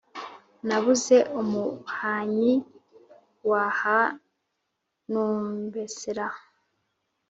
nabuze umuhannyi wahanumbersra